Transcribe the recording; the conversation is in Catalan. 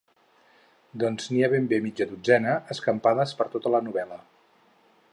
Doncs n'hi ha ben bé mitja dotzena, escampades per tota la novel·la.